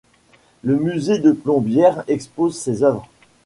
Le musée de Plombières expose ses œuvres.